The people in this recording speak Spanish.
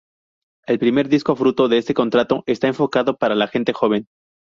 El primer disco fruto de este contrato está enfocado para la gente joven.